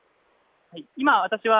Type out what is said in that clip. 今、私は